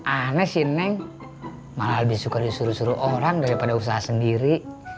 aneh sih neng malah lebih suka disuruh suruh orang daripada usaha sendiri